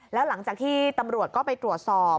แล้วหลังจากที่ตำรวจก็ไปตรวจสอบ